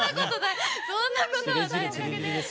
そんなことはないです。